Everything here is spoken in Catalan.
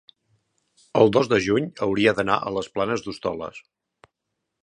el dos de juny hauria d'anar a les Planes d'Hostoles.